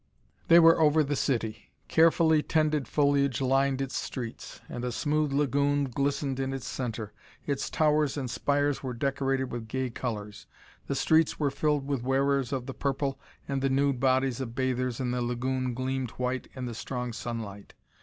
They were over the city. Carefully tended foliage lined its streets and a smooth lagoon glistened in its center. Its towers and spires were decorated with gay colors. The streets were filled with wearers of the purple and the nude bodies of bathers in the lagoon gleamed white in the strong sunlight.